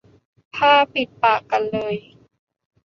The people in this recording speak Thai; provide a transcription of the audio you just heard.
ผ้าปิดปากกันเลย